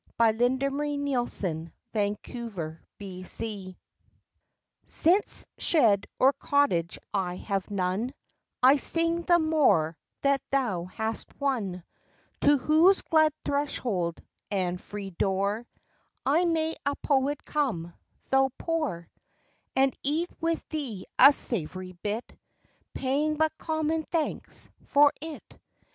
TO HIS PECULIAR FRIEND, MR JOHN WICKS Since shed or cottage I have none, I sing the more, that thou hast one; To whose glad threshold, and free door I may a Poet come, though poor; And eat with thee a savoury bit, Paying but common thanks for it.